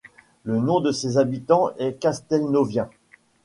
Le nom de ses habitants est Castelnoviens.